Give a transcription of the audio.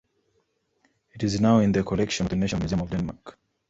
It is now in the collection of the National Museum of Denmark.